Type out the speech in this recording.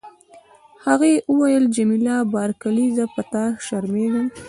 هغې وویل: جميله بارکلي، زه په تا شرمیږم.